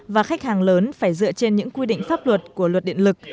và khách hàng lớn phải dựa trên những quy định pháp luật của luật điện lực